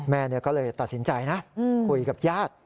แม่ก็เลยตัดสินใจนะคุยกับญาติ